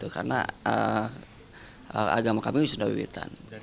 karena agama kami sunda wiwitan